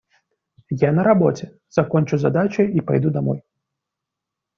Я на работе, закончу задачу и пойду домой.